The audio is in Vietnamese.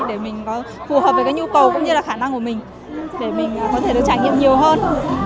để mình có phù hợp với cái nhu cầu cũng như là khả năng của mình để mình có thể được trải nghiệm nhiều hơn